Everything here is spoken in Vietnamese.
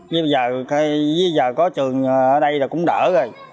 nhưng bây giờ có trường ở đây là cũng đỡ rồi